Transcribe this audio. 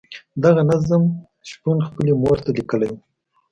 دغه نظم شپون خپلې مور ته لیکلی وو.